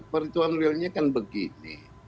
perhitungan realnya kan begini